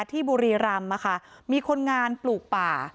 ที่บุรีรำมีคนงานปลูกป่า